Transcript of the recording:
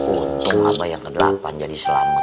untung lah bayang ke delapan jadi selamat